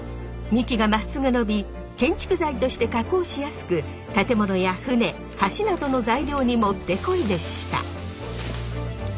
幹がまっすぐ伸び建築材として加工しやすく建物や船橋などの材料にもってこいでした。